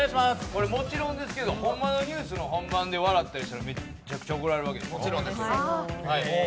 もちろんですけどほんまのニュースの本番で笑ったりしたらめちゃくちゃ怒られるでしょう？